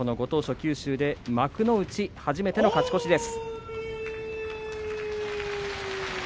九州で幕内初めての勝ち越しです。